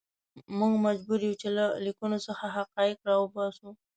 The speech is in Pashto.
موږ مجبور یو چې له لیکنو څخه حقایق راوباسو.